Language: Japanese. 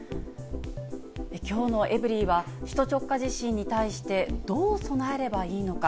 きょうのエブリィは、首都直下地震に対してどう備えればいいのか。